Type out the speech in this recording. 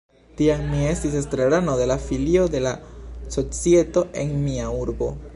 Tiam mi estis estrarano de la filio de la societo en mia urbo.